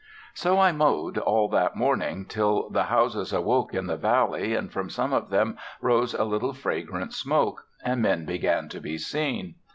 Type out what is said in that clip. So I mowed all that morning, till the houses awoke in the valley, and from some of them rose a little fragrant smoke, and men began to be seen.